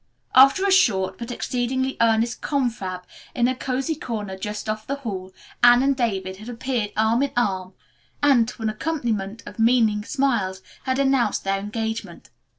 After a short, but exceedingly earnest, confab in a cosy corner just off the hall, Anne and David had appeared arm in arm, and, to an accompaniment of meaning smiles, had announced their engagement.